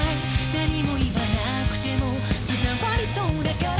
「何も言わなくても伝わりそうだから」